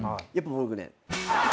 僕ね。